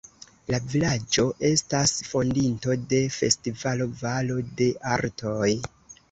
La vilaĝo estas fondinto de festivalo Valo de Artoj.